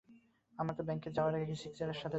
আমার তো ব্যাংককে যাওয়ার আগে সিক্সের সাথে দেখাই হয়নি।